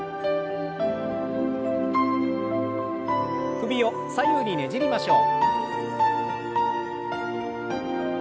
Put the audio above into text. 首を左右にねじりましょう。